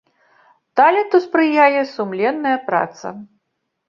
Таленту спрыяе сумленная праца.